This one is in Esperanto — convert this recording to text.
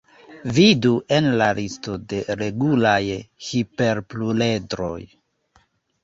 Vidu en la listo de regulaj hiperpluredroj.